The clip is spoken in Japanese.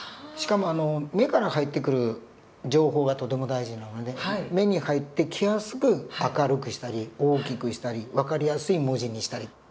しかも目から入ってくる情報がとても大事なので目に入ってきやすく明るくしたり大きくしたり分かりやすい文字にしたり。